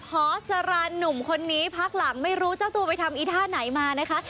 พอสรานหนุ่มคนนี้พักหลังไม่รู้เจ้าตัวไปทำอีท่าไหนมานะคะ